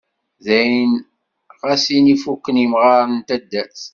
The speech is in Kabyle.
Dayen, ɣas ini fukken imɣaren n taddart.